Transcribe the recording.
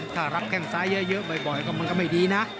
ถ้ารับแข้งซ้ายเยอะบ่อยก็มันก็ไม่ดีนะ